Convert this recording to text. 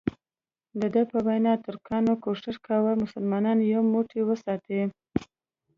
دده په وینا ترکانو کوښښ کاوه مسلمانان یو موټی وساتي.